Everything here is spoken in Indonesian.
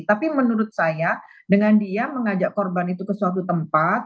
tapi menurut saya dengan dia mengajak korban itu ke suatu tempat